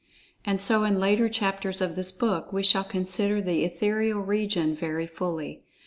And, so in later chapters of this book, we shall consider the Etherial Region very fully.